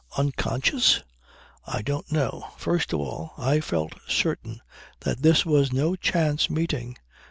Unconscious? I don't know. First of all, I felt certain that this was no chance meeting.